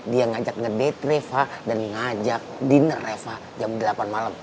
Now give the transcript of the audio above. dia ngajak ngedet reva dan ngajak dinner reva jam delapan malam